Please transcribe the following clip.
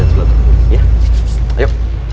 apaan papa di restoran aja